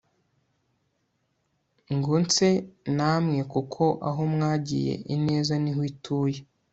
ngo nse na mwe kuko aho mwagiye ineza niho ituye